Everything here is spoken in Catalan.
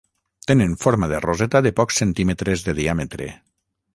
Tenen forma de roseta de pocs centímetres de diàmetre.